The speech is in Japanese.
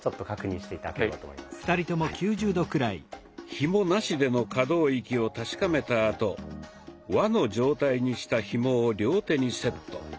ひも無しでの可動域を確かめたあと輪の状態にしたひもを両手にセット。